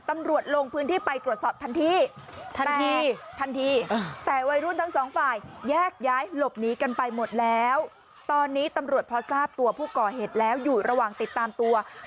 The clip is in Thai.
ข้ามปีกันแบบนี้นะ